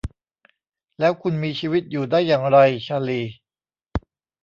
แล้วคุณมีชีวิตอยู่ได้อย่างไร ชาลี